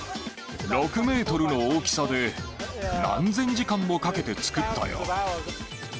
６メートルの大きさで、何千時間もかけて作ったよ。